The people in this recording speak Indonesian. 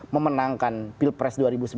memenangkan pilpres dua ribu sembilan belas